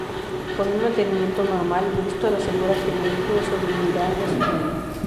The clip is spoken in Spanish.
Con un mantenimiento normal, Bristol asegura que el vehículo sobrevivirá a su dueño.